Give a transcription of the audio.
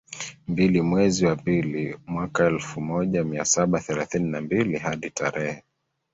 mbili mwezi wa pili mwaka elfu moja mia saba thelathini na mbili hadi tarehe